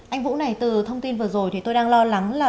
anh vũ này từ thông tin vừa rồi thì tôi đang lo lắng là